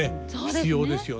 必要ですよね。